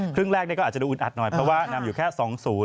ครึ่งแรกก็อาจจะดูอึดอัดหน่อยเพราะว่านำอยู่แค่๒๐